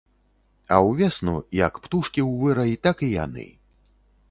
А ўвесну, як птушкі ў вырай, так і яны.